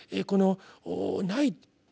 このない。